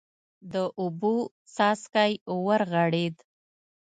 د اوبو څاڅکی ورغړېد.